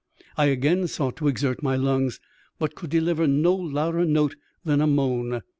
I again sought to exert my lungs, but could deliver no louder note than a moan.